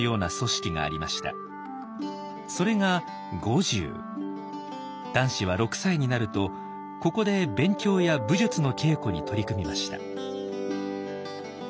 それが男子は６歳になるとここで勉強や武術の稽古に取り組みました。